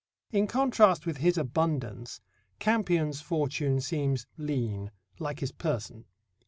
In contrast with his abundance, Campion's fortune seems lean, like his person.